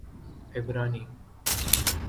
عبرانی